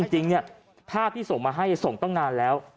จริงภาพที่ส่งมาให้ส่งตั้งนานแล้ว